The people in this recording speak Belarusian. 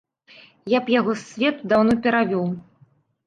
Я б яго з свету даўно перавёў.